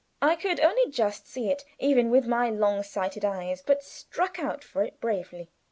I could only just see it, even with my long sighted eyes, but struck out for it bravely.